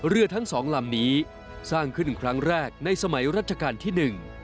เรือทั้งสองลำนี้สร้างขึ้นครั้งแรกในสมัยรัชกาลที่หนึ่ง